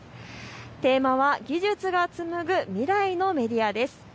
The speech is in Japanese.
テーマは技術がつむぐ未来のメディアです。